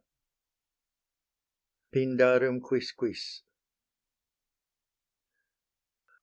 PINDARUM QUISQUIS.